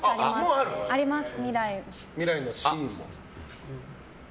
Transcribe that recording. あります。